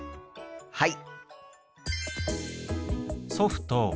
はい！